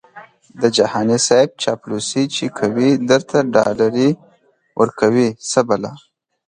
د جهاني صیب چاپلوسي چې کوي درته ډالري ورکوي څه بلا🤑🤣